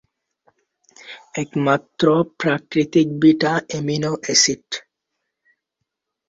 একমাত্র প্রাকৃতিক beta amino acid.